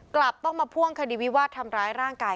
กลับต้องมาพ่วงคดีวิวาดทำร้ายร่างกาย